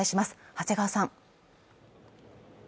長谷川さん